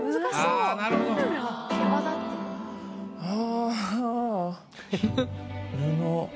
ああ。